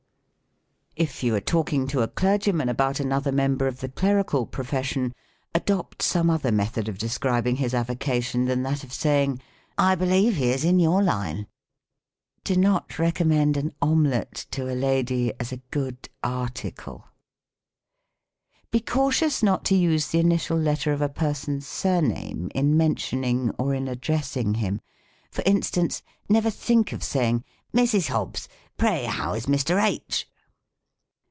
143 If you are talking to a clergyman about another member of the clerical profession, adopt some other method of describing his avocation than that of saying, " I believe he is in your line." Do not recommend an omelet to a lady, as a good article. Be cautious not to use the initial letter of a person's surname, in mentioning or in addressing him. For instance, never think of saying, " Mrs. Hobbs, pray, how is Mr. H.